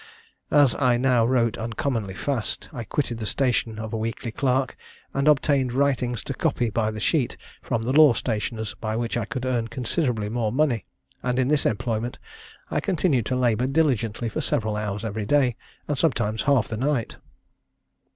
"As I now wrote uncommonly fast, I quitted the station of a weekly clerk, and obtained writings to copy by the sheet, from the law stationers, by which I could earn considerably more money; and in this employment I continued to labour diligently for several hours every day, and sometimes half the night.